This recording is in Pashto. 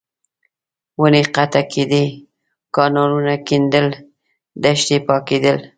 ونې قطع کېدې، کانالونه کېندل، دښتې پاکېدل.